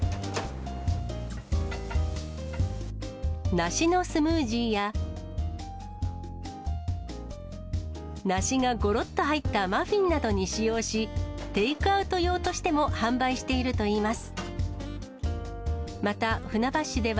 梨のスムージーや、梨がごろっと入ったマフィンなどに使用し、テイクアウト用としても販売しているといいます。